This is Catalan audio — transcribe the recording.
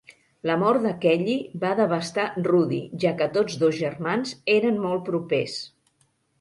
La mort de Kelly va devastar Rudy, ja que tots dos germans eren molt propers.